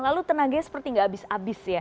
lalu tenaganya seperti nggak abis abis ya